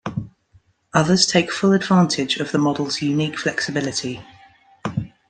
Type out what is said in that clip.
Others take full advantage of the model's unique flexibility.